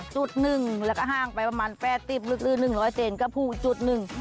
จุดหนึ่งแล้วก็ห้างไปประมาณ๘๐ลึก๑๐๐เซนก็พูดอีกจุดหนึ่ง